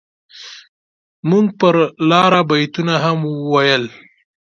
موږ پر لاره بيتونه هم ويل.